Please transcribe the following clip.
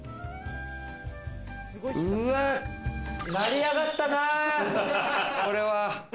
成り上がったな！